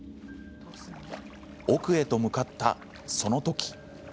奥へと向かった、その時。